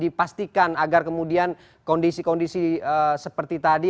dipastikan agar kemudian kondisi kondisi seperti tadi